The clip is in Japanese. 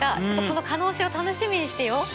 ちょっとこの可能性を楽しみにしてよ！